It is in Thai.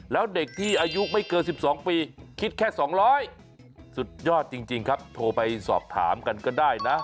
แล้วเด็กที่อายุไม่เกิน๑๒ปีคิดแค่๒๐๐สุดยอดจริงครับโทรไปสอบถามกันก็ได้นะ